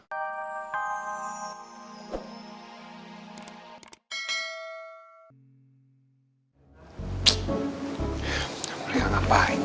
apa yang mereka lakukan